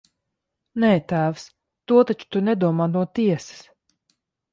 Nē, tēvs, to taču tu nedomā no tiesas!